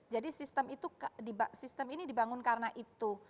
jadi sistem ini dibangun karena itu